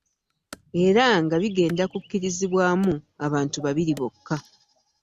Era nga bigenda kukkirizibwamu abantu babiri bokka.